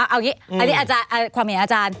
เอาอย่างนี้ความเห็นอาจารย์